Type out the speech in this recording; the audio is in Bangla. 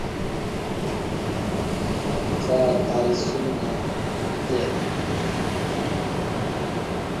তার স্ত্রীর নাম প্রীতি আলী।